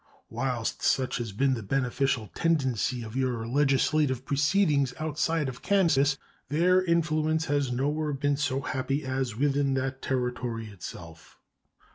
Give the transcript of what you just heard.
Whilst such has been the beneficial tendency of your legislative proceedings outside of Kansas, their influence has nowhere been so happy as within that Territory itself.